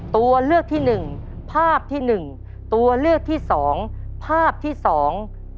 ตัวเลือกที่หนึ่งภาพที่หนึ่งตัวเลือกที่สองภาพที่สอง